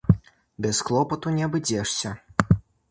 Без клопату не абыдзешся.